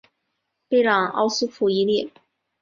贝朗奥苏普伊利。